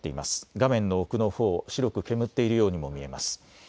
画面の奥のほう、白く煙っているようにも見えます。